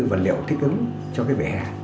vật liệu thích ứng cho cái vỉa hè